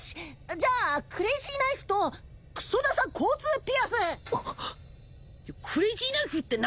じゃあクレイジーナイフとクソダサ交通ピアスクレイジーナイフって何？